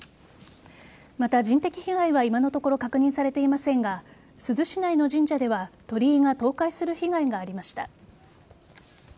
また、人的被害は今のところ確認されていませんが珠洲市内の神社では鳥居が倒壊する被害がありました。